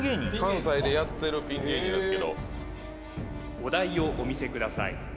関西でやってるピン芸人ですけどお題をお見せください